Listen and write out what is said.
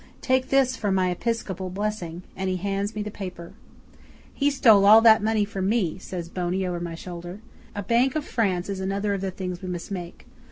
Take this for my episcopal blessing," and he hands me the paper. '"He stole all that money from me," says Boney over my shoulder. "A Bank of France is another of the things we must make.